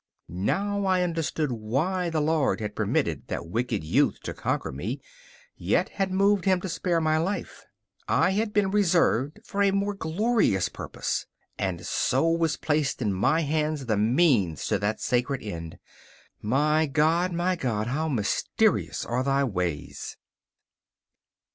Now I understood why the Lord had permitted that wicked youth to conquer me, yet had moved him to spare my life. I had been reserved for a more glorious purpose. And so was placed in my hands the means to that sacred end. My God, my God, how mysterious are Thy ways!